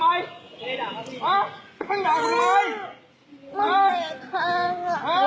ไม่ได้ด่ามาสิ